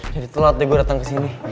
jadi telat deh gue dateng kesini